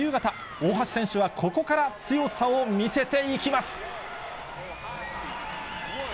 大橋選手はここから強さを見せていきます。